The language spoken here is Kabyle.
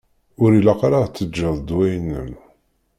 Ur ilaq ara ad teǧǧeḍ ddwa-inem.